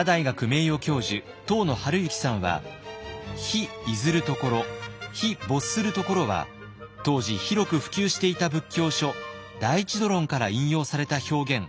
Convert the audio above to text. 名誉教授東野治之さんは「日出ずる処」「日没する処」は当時広く普及していた仏教書「大智度論」から引用された表現との見方を示しています。